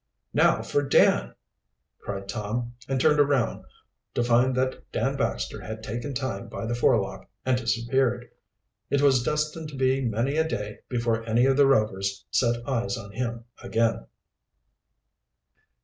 "Now for Dan!" cried Tom, and turned around, to find that Dan Baxter had taken time by the forelock and disappeared. It was destined to be many a day before any of the Rovers set eyes on him again.